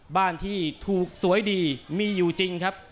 บ้านที่ถูกสวยดีมีอยู่จริงครับ